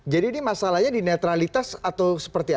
jadi ini masalahnya di netralitas atau seperti apa